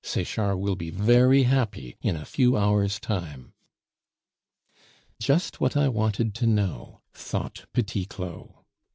Sechard will be very happy in a few hours' time." "Just what I wanted to know," thought Petit Claud.